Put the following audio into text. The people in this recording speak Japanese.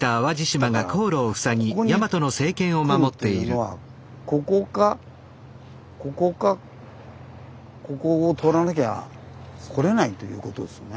だからここに来るというのはここかここかここを通らなきゃ来れないということですね。